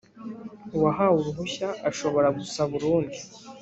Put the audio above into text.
uwahawe uruhushya ashobora gusaba urundi